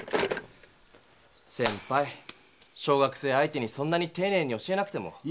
先ぱい小学生相手にそんなにていねいに教えなくても。